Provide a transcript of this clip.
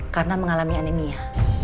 karena mengalami anemia